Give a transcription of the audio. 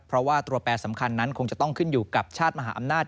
เพราะว่าตัวแปรสำคัญนั้นคงจะต้องขึ้นอยู่กับชาติมหาอำนาจ